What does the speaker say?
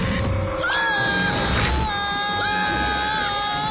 うわ！！